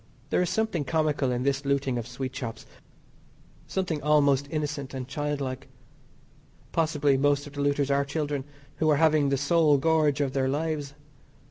There is something comical in this looting of sweet shops something almost innocent and child like. Possibly most of the looters are children who are having the sole gorge of their lives.